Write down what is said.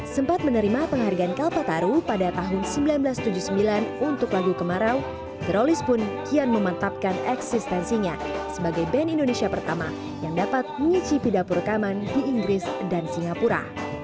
sempat menerima penghargaan kalpataru pada tahun seribu sembilan ratus tujuh puluh sembilan untuk lagu kemarau drolis pun kian memantapkan eksistensinya sebagai band indonesia pertama yang dapat menyicipi dapur rekaman di inggris dan singapura